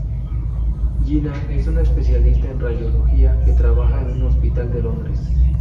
Gina es una especialista en radiología que trabaja en un hospital de Londres.